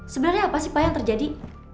sebenernya apa sih pa yang terjadi